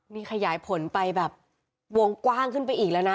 นี่ขยายผลไปแบบวงกว้างขึ้นไปอีกแล้วนะ